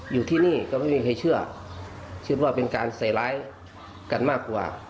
อยู่ที่นี่ก็ไม่มีใครเชื่อคิดว่าเป็นการใส่ร้ายกันมากกว่า